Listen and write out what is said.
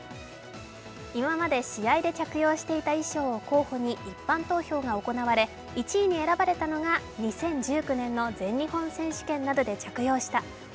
今まで試合で着用していた衣裳を候補に一般投票が行われ１位に選ばれたのが２０１９年の全日本選手権などで着用した「Ｏｒｉｇｉｎ」